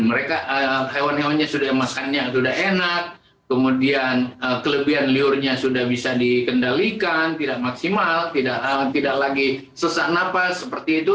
mereka hewan hewannya sudah makannya sudah enak kemudian kelebihan liurnya sudah bisa dikendalikan tidak maksimal tidak lagi sesak nafas seperti itu